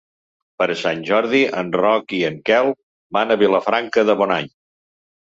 Per Sant Jordi en Roc i en Quel van a Vilafranca de Bonany.